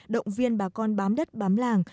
động viên bà con bám đất bám làng